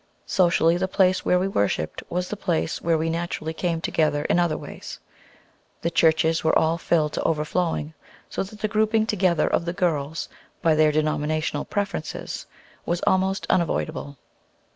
Socially, the place where we worshiped was the place where we naturally came together in other ways. The churches were all filled to overflowing, so that the grouping together of the girls by their denominational preferences was almost unavoidable.